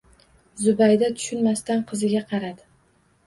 Zubayda tushunmasdan qiziga qaradi